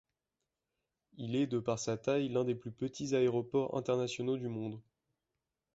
Il est, de par sa taille, l’un des plus petits aéroports internationaux du monde.